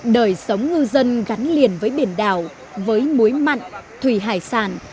đời sống ngư dân gắn liền với biển đảo với muối mặn thủy hải sản